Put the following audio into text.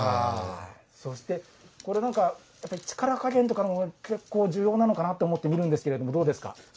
そしてやっぱり力加減とかも結構重要なのかなと思って見るんですけれどもどうですか？